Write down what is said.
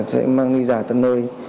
sẽ mang đi giả tân nơi